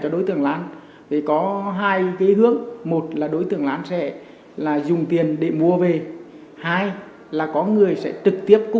đối tượng lan thì hiện tại là đang sống với một người cháu